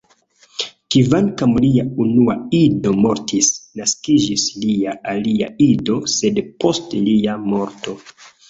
Kvankam lia unua ido mortis, naskiĝis lia alia ido, sed post lia morto.